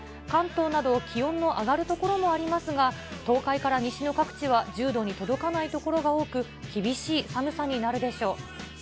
関東など気温の上がる所もありますが、東海から西の各地は１０度に届かない所が多く、厳しい寒さになるでしょう。